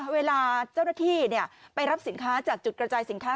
เวลาเจ้าหน้าที่ไปรับสินค้าจากจุดกระจายสินค้า